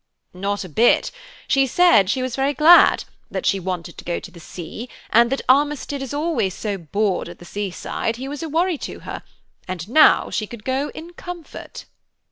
"Not a bit. She said she was very glad, that she wanted to go to the sea, and that Armistead was always so bored at the sea side, he was a worry to her, and now she could go in comfort."